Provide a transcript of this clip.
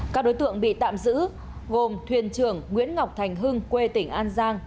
các đối tượng bị tạm giữ gồm thuyền trưởng nguyễn ngọc thành hưng quê tỉnh an giang